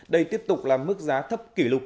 đây tiếp tục là mức giá thấp kỷ lục